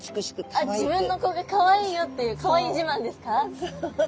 あっ自分の子がかわいいよっていうかわいい自慢ですか？